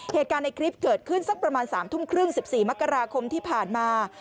เหตุการณ์ในคลิปเกิดขึ้นสักประมาณ๓ทุ่มครึ่ง๑๔มกราคมที่ผ่านมา